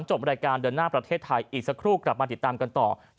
จบรายการเดินหน้าประเทศไทยอีกสักครู่กลับมาติดตามกันต่อ